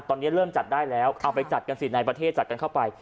ตอนนี้เริ่มจัดได้แล้วเอาไปจัดกันสิในประเทศจัดกันเข้าไป